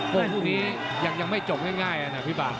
คู่นี้ยังไม่จบง่ายนะพี่ปาก